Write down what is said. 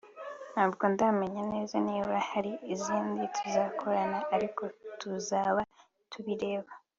ntabwo ndamenya neza niba hari izindi tuzakorana ariko tuzaba tubireba